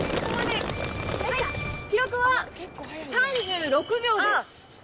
記録は３６秒です。